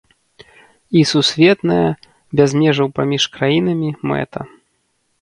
І сусветная, без межаў паміж краінамі, мэта.